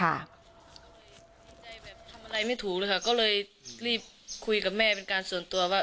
ดีใจแบบทำอะไรไม่ถูกเลยค่ะก็เลยรีบคุยกับแม่เป็นการส่วนตัวว่า